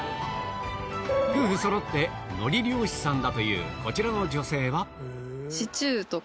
夫婦そろって海苔漁師さんだというこちらの女性は